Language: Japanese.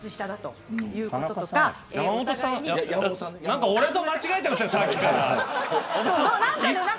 何か俺と間違えてますよさっきから。